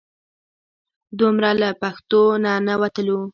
دومره له پښتو نه نه وتلو.